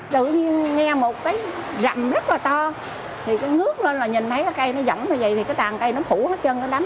cây nó rỗng như vậy thì cái tàn cây nó phủ hết chân nó đánh